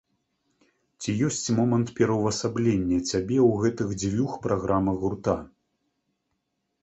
Ці ёсць момант пераўвасаблення цябе ў гэтых дзвюх праграмах гурта?